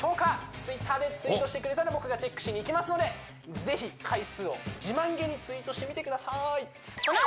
Ｔｗｉｔｔｅｒでツイートしてくれたら僕がチェックしにいきますので是非回数を自慢げにツイートしてみてください